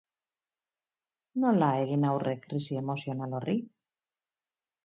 Nola egin aurre krisi emozioal horri?